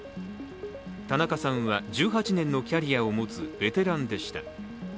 田中さんは１８年のキャリアを持つベテランでした。